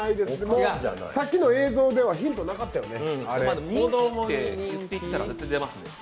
さっきの映像ではヒントなかったよね。